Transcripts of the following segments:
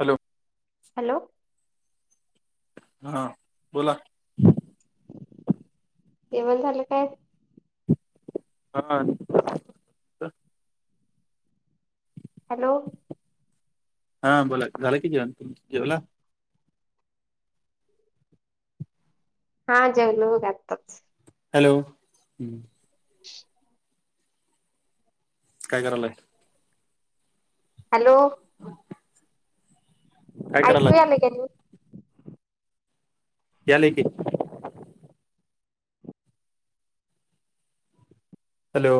Hello! Hello! हा बोल. जेवण झालं काय? आला आणि, हॅलो! हा बोला की झालं की जेवन. जेवला? हा जेवलो बघ आत्ताच. हॅलो ह, काय करायला. हॅलो, [inaudible] काय ऐकू करायलाय यालय का नाही? यालय की. हॅलो,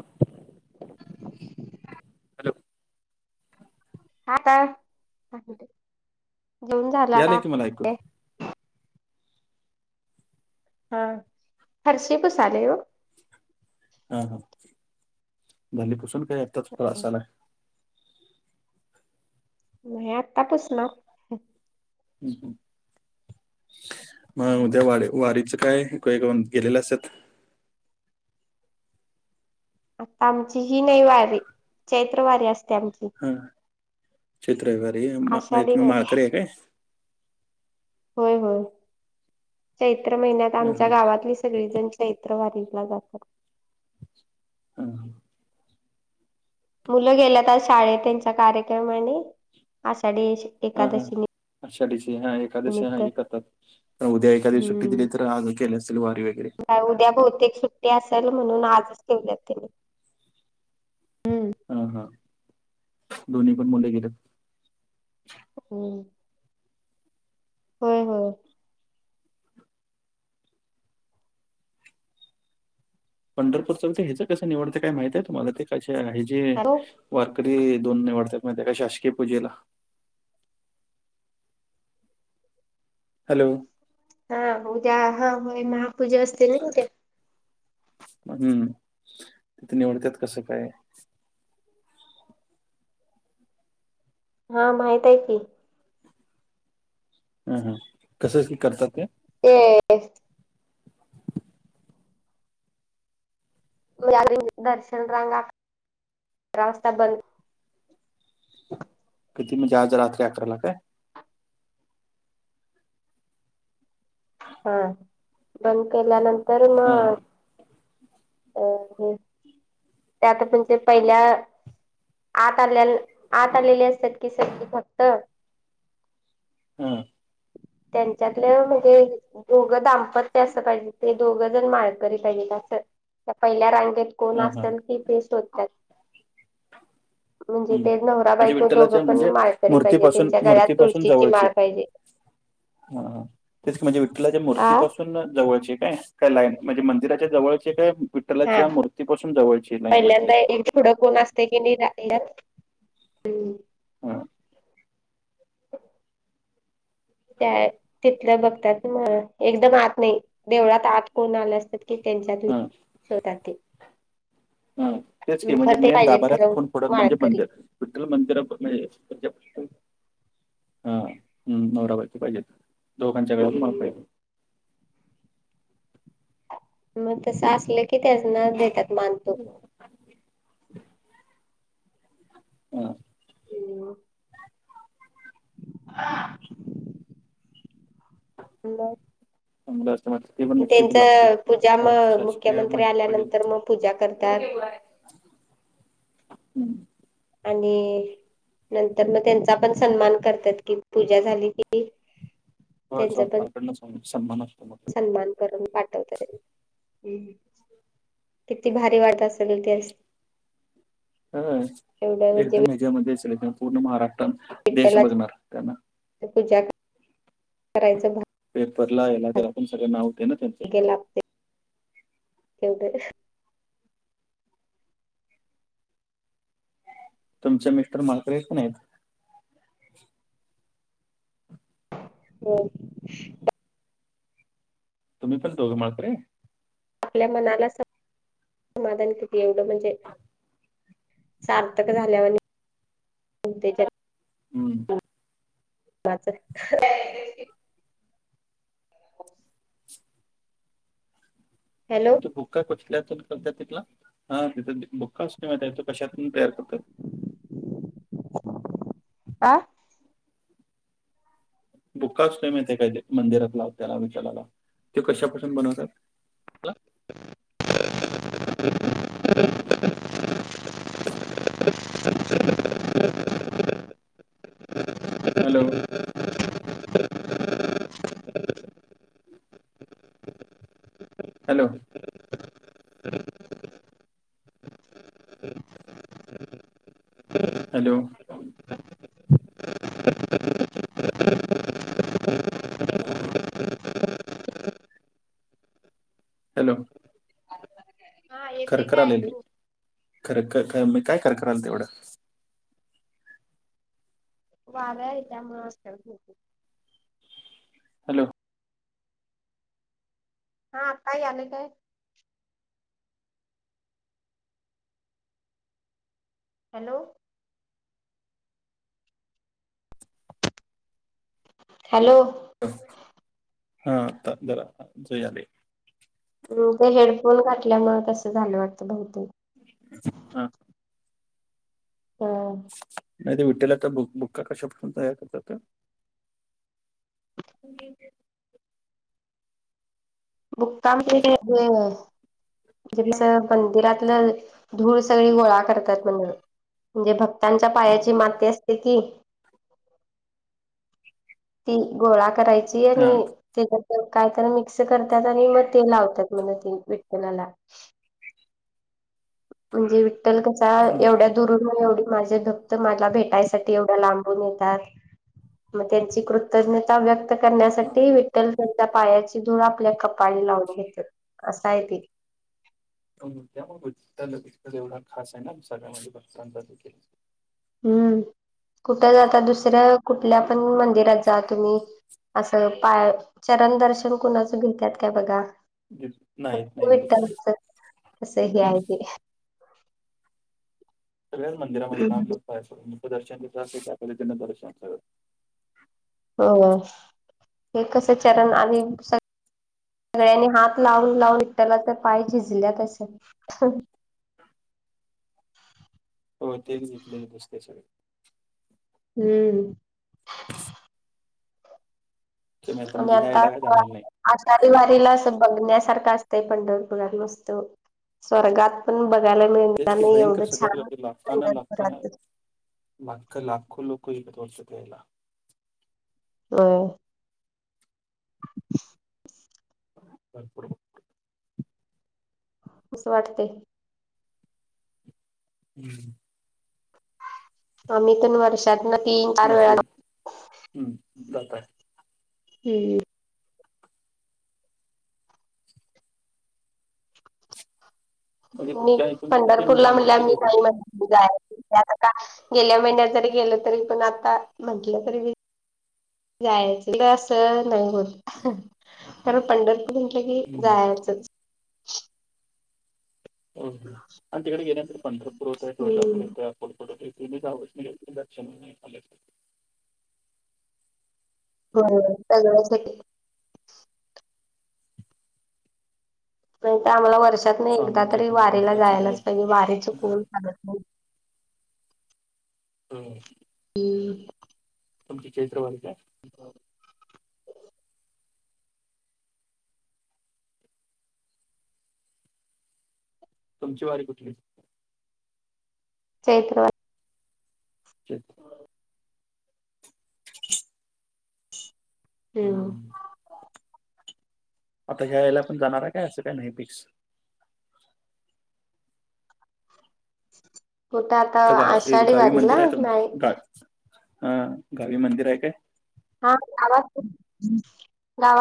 हॅलो, आता, जेवून झालं यालय आता. की मला ऐकव. हा, फरशी पुसालोय ओ. हा हा, झाली पुसून काय आताच वास ओ आला. नाही आत्ता पुसलो. मग उद्या वा वारीचं काय काही कोण गेलेला असंत. आता आमची ही नाही वारी चैत्र वारी असत्या आमची. हा, चैत्र वारी आहे. हा म्हणजे आषाढी तुम्ही नाही माळकरी आहे काय? होय होय, चैत्र महिन्यात हा आमच्या हा गावातली सगळी जण चैत्र वारीला जातात. हा. मुलं गेल्यात आज शाळेत त्यांचा कार्यक्रम आहेनं आषाढी एकादशीनि आषाढी ची हा एकादशी हा हे करतात. उद्या एखादी सुट्टी दिली तर आज केल्या असतील वारी वग हां उद्या बहुतेक सुट्टी असल म्हणून आजच ठेवल्यात त्यांनी हम्म, हा हा, दोन्ही पण मुले गेल्यात. हम्म, होय होय. पंढरपूरच बी ते ह्याच कसं निवडते काय माहित आहे तुम्हाला ते कशा हे जे हॅलो वारकरी दोन निवाडत्यात माहितीय काय शासकीय पूजेला हॅलो, हा, उद्या हा होय महापूजा असते न उद्या. हम्म, तिथं निवडत्यात कसं काय? हा, माहित हाय की, हं हं, कसाशी करतात ते ते मिळाली दर्शन रांगा रास्ता बंद किती म्हणजे आज रात्री अकराला काय? हा, बंद केल्यानंतर हां, मग अ हे त्यात पण ते पहिल्या आत आल्याना आत आलेली असत्यात की सगळी फक्त हम्म, त्यांच्यातलं म्हणजे दोघं दाम्पत्य असं पाहिजे ते दोघं जण माळकरी पाहिजे असं त्या पहिल्या रांगेत कोण हां, हां. असेन की ते शोधत्यात. म्हणजे हं. ते नवरा म्हणजे बायको विठ्ठलाच्या दोघं पण म्हणजे माळकरी पाहिजे. मूर्तीपासून त्यांच्या गळ्यात तुळशीची माळ पाहिजे. [inaudible] हा, तेच की म्हणजे विठ्ठलाच्या आ मूर्तीपासून जवळचे काय, काय लाईन, म्हणजे मंदिराच्या जवळचे काय. हा विठ्ठलाच्या मूर्तीपासून जवळची लाईन मधले. पुडं कोण असतेय की नाही राहील्यात. हा. त्या, तिथलं बघतात पन, एकदम आत नाही, देवळात आत कोण आल्या असल. की त्यांच्यातली, हां. ते जाते. हां, तेच की म्हणजे खर ते मेन पाहिजेत गाभाऱ्यात खरं खूप फुडं म्हणजे माळकरी मंदिर. विठ्ल मंदिर पन ज पो हा, हम्, नवरा बायको पाहिजेत, दोघांच्या गळ्यात माळ पाहिजे. मग तसं असलं की त्याचना देतात मान पण. हो. हां, क ह. मग. चांगलं असत म्ह ते पण लक्षेब लागते त्यांच पूजा म शासकीय मुख्यमंत्री म्हणजे आल्यानंतर मग पूजा करत्यात. हम्म. आणि नंतर मग त्यांचा पण सन्मान करत्यात कि, पूजा झाली की. हो त्यांचा पण सरकारकडन सांग समान असतो मग. सन्मान करून पाठवत. किती भारी वाट असगल ती अस. ह एवढं म्हणजे एकदम हज्यामध्ये असल पूर्ण महाराष्ट्रात देश विठ्ठलाची बघणार त्यांना. पूजा. करायचं पेपरला याला तर भाग्य आपण सगळं नावते ना त्यांचं. एवेय. तुमचे मिस्टर माळकरी येत का नाही त हो. तुम्ही पण दोघं माळकरी. आपल्या मनाला समाधान किती एवढं म्हणजे सार्थक झाल्यावानीहोतयतर. हम्म. माचंह हॅलो आणि तो भुक्का कुठल्यातून करत तिथला हा तिथ भुक्का क मा आहे तो कशतून तयार करतो. काय? बुक्का आसतोयमाहीतयका मंदिरात लावतयत विठ्ठलाला तो कशा पासुन बनवतेत. चला हॅलो. हॅलो. ह. हॅलो. ह. हॅलो. येते कर्क काय आलेले ऐकू कर्क मी काय कर्क आले तेवढं. वाऱ्या आहे त्यामुळे अस हॅलो. काय आले काय? हॅलो. हॅलो. हा आता जरा जया आले. ते हेडफोन घातल्यामुळे कसं झालं वाटतं बहुतेक. हा. नाही ते विठला बुक्का कशापासून तयार करतात. ह [unintelligible] बुक्का म्हणजे ते एक. म्हजे कस मंदिरातलं धूळ सगळी गोळा करतात म्हण म्हणजे भक त्यांच्या पायाची माती असते की. ती गोळा करायची हा आणि त्या काय तर मिक्स करतात आणि मग ते लावतात म ते विठ्ठलाला. म्हणजे विठ्ठल कसा, हम्म. एवढ्या दूर म एवढे माझे भक्त मला भेटायसाठी एवढं लांबून येतात मग त्यांची कृतज्ञता व्यक्त हा करण्यासाठी विठ्ठल त्या पायाची धूळ आपल्या कपाळी लावून घेते, असं आहे ते. त्यामुळे उ एवढा खास आहे ना सगळ्यामध्ये भक्तांचा देखील हम्म, कुठं जाता, दुसऱ्या कुठल्या पण मंदिरात जा तुम्ही असं पाय, चरण दर्शन कुणाचं घेतात काय बघा. नाही फक्त नाही विठ्ठल तस हे आहे ते. सगळ्या मंदिरामध्ये नाम लग पाहायंं दर्शन कं असे त्या आपहि त्यांं दर्शन सगळं हो-हो, हे कस चरण आणि सगळ्यांनी हात लावून लावून निटला तर पाय झिजल्यात अस. ह. हो तेच घेतलेले बुसते सगळे. हम्म. की मग आणि म्हणजे ह्या आता, याला काय जाणार नाही. आषाढी वारीला स बघण्यासारखा असतंय पंढरपुरात मस्त, स्वर्गात. पण बघायला तेच मिळणार की नाही भयंकर एवढं सगळ्यात छान गर्दी पंढरपुरातच. माख लाखो लोक एका वर्षात यायला. होय. भरपूर. कसं वाटते. हम्म. आम्ही तर वर्षात न तीन, चार वेळा नशीब जातो. हम्म जाताय हम्म. म्हणजे मी तुमच्या इथून किती म्हणजे पंढरपूरला अंतर म्हणल्या किती मी होतंय? नाही म्हण. आता का गेल्या महिन्यात जरी गेलं तरी पण आता म्हंटलं तरी. जायच तर असं नाही होत, कारण पंढरपूर म्हटलं की जायचंच. हो आणि तिकडे गेल्यानंतर पंढरपूर होतं. तळजापूर हम्म येत. थोडं-थोडं, [unintelligible] बरोबर सगळं होतं. नाहीतं आम्हाला वर्षातनं एकदा स्वामींचे तरी पण वारीला चमत्कार चांगले. जायलाच पाहिजे, वारी हम्म. चुकवून चालत नाही. हम्म हम्. तुमची चैत्रवारी काय? हो. तुमची वारी कुठली? चैत्रवारी. [inaudible] हम्म. आता घ्यायला पण जाणार आहे काय? असं काय नाही फिक्स कुठं आता तर गावा आषाढी गावी वारीला मंदिर आहेत आमचे. नाही गा हं गावी मंदिर आहे काय? हा आवाज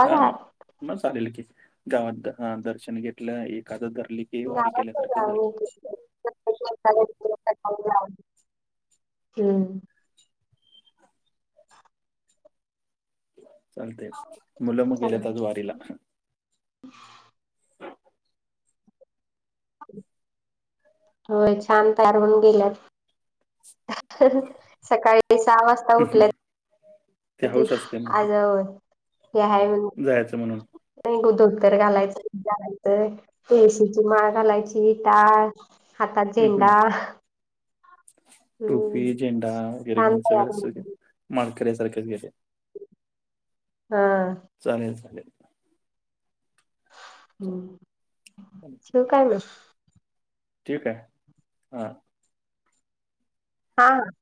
हा मं चालेल की, गावात हं दर्शन घेतलं एखादं धरली. की वारी गावाचं जे केल्यासारखं झालं आम्ही केलंय. [unintelligible] चालतंय मुलं मुली गेलेत आज वारीला, [inaudible] होय छान तयार होऊन गेल्यात. सकाळी सहा वाजता उठल्यात ते हौस असते [unintelligible] मोठी आज हे हाये जायचं म्हणून नाही गो धोतर घालायचं, त्यानंन्तर तुळशीची माळ घालायची टाळ हातात हम्म, हम्म. झेंडा टोपी, हम्म झेंडा वगैरे छान घेऊन तयार होऊन गेली. सगळमाळकऱ्यसारखंच गेल्या. हम्म चालेल चालेल चालेल. हं काय मग ठीक आहे हा. हा, हा.